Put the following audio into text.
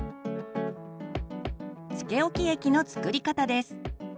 つけおき液の作り方です。